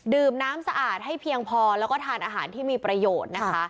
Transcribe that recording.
ดื่มน้ำสะอาดให้เพียงพอแล้วก็ทานอาหารที่มีประโยชน์นะคะ